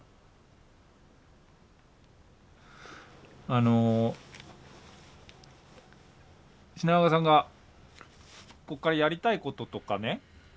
あの品川さんがここからやりたいこととかね。